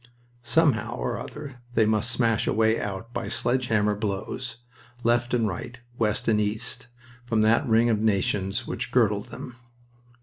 Somehow or other they must smash a way out by sledge hammer blows, left and right, west and east, from that ring of nations which girdled them.